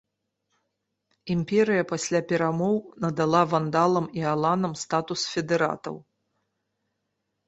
Імперыя пасля перамоў надала вандалам і аланам статус федэратаў.